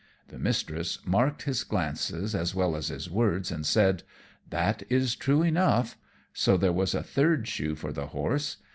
The Mistress marked his glances as well as his words, and said, "That is true enough;" so there was a third shoe for the horse.